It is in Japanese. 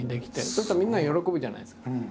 そうするとみんなが喜ぶじゃないですか。